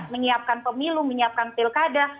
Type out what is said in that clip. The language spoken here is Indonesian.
menyiapkan pemilu menyiapkan pilkada